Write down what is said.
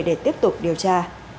để tiếp tục điều tra